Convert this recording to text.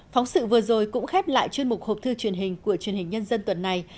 phóng sự vừa rồi cũng khép lại chuyên mục hộp thư truyền hình của truyền hình nhân dân tuần này